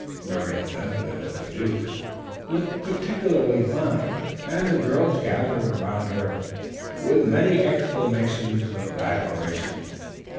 Miriam Nesbit as the "Duke" looked particularly fine, and the girls gathered around her with many exclamations of admiration.